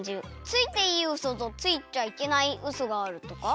ついていいウソとついちゃいけないウソがあるとか。